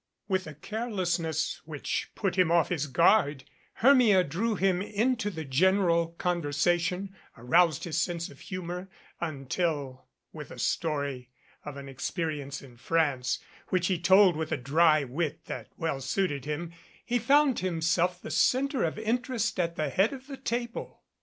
With a carelessness which put him off his guard Her mia drew him into the general conversation, aroused his sense of humor, until with a story of an experience in France, which he told with a dry wit that well suited him, he found himself the center of interest at the head of the table.